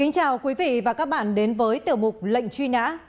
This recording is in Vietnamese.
chào mừng quý vị đến với tiểu mục lệnh truy nã